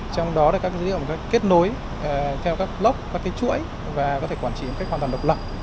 trong đó là các dữ liệu một cách kết nối theo các block các chuỗi và có thể quản trị một cách hoàn toàn độc lập